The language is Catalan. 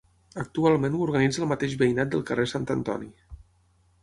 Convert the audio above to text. Actualment ho organitza el mateix veïnat del carrer Sant Antoni.